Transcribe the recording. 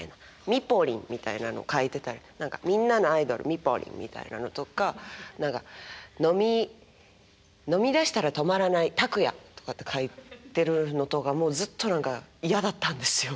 「みぽりん」みたいの書いてたり「みんなのアイドルみぽりん」みたいなのとか何か「飲みだしたら止まらないタクヤ」とかって書いてるのとかもずっと何か嫌だったんですよ